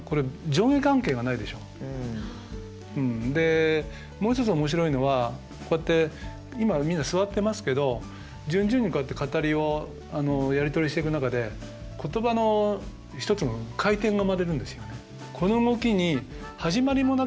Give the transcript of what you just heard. でもう一つ面白いのはこうやって今みんな座ってますけど順々にこうやって語りをやり取りしていく中で言葉の一つの回転が生まれるんですよね。